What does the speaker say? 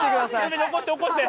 起こして起こして！